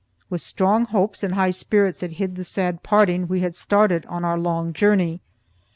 With strong hopes and high spirits that hid the sad parting, we had started on our long journey.